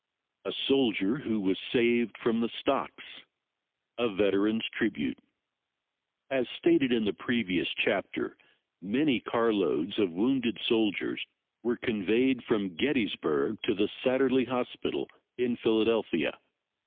A soldier who was saved from the stocks. A veteran's tribute. [Illustration: SISTER GONZAGA.] As stated in the previous chapter many car loads of wounded soldiers were conveyed from Gettysburg to the Satterlee Hospital in Philadelphia.